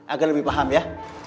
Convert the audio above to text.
agar lebih paham ya